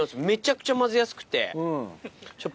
めちゃくちゃ混ぜやすくて。